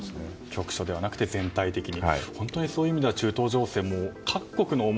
局所ではなく、全体的に。